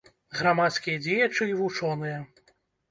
Грамадскія дзеячы і вучоныя.